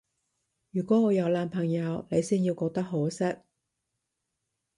如果我有男朋友，你先要覺得可惜